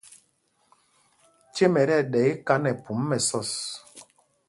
Cêm ɛ ɗɛ iká nɛ phum mɛsɔs.